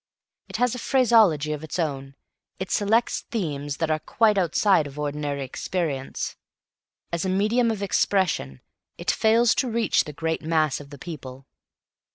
It has a phraseology of its own; it selects themes that are quite outside of ordinary experience. As a medium of expression it fails to reach the great mass of the people."